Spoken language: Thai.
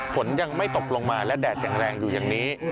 ฝนยังไม่ตกลงมาและแดดยังแรงอยู่อย่างนี้